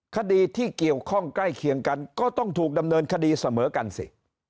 คดีที่เกี่ยวข้องใกล้เคียงกันก็ต้องถูกดำเนินคดีเสมอกันสิ